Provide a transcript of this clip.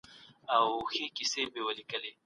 رسول الله د غریبانو د حق یادونه کړې ده.